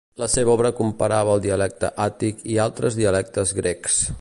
La seva obra comparava el dialecte àtic i altres dialectes grecs.